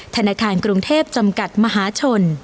ธนาคารกรุงเทพจำกัดมหาชน